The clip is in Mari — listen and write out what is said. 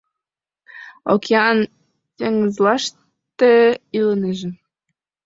Океан-теҥызлаште илынеже